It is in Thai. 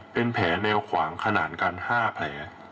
เป็นแผลแนวขวางขนาดกัน๕แผล